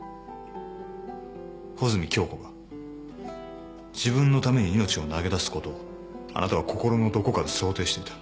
穂積京子が自分のために命を投げ出すことをあなたは心のどこかで想定していた。